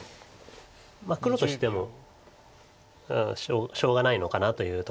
黒としてもしょうがないのかなというところです。